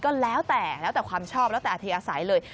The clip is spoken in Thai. ก็แล้วแต่แล้วแต่ความชอบแล้วแต่อาธีอาศัยเลย